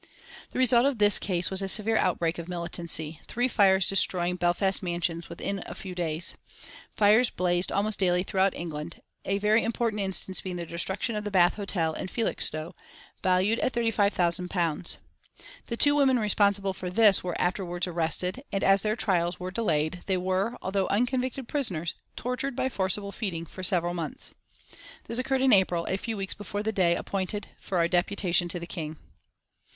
The result of this case was a severe outbreak of militancy, three fires destroying Belfast mansions within a few days. Fires blazed almost daily throughout England, a very important instance being the destruction of the Bath Hotel at Felixstowe, valued at £35,000. The two women responsible for this were afterwards arrested, and as their trials were delayed, they were, although unconvicted prisoners, tortured by forcible feeding for several months. This occurred in April, a few weeks before the day appointed for our deputation to the King.